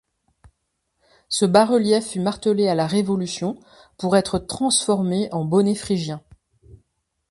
Ce bas-relief fut martelé à la Révolution pour être transformé en bonnet phrygien.